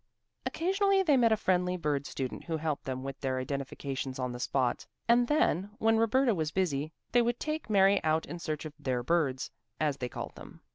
Occasionally they met a friendly bird student who helped them with their identifications on the spot, and then, when Roberta was busy, they would take Mary out in search of "their birds," as they called them.